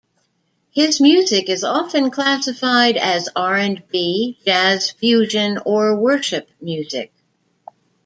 His music is often classified as R and B, jazz fusion or worship music.